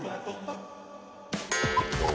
どう？